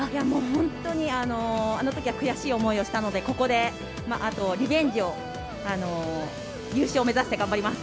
本当にあのときは悔しい思いをしたので、ここでリベンジを、優勝目指して頑張ります。